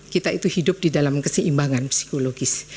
kita itu hidup di dalam keseimbangan psikologis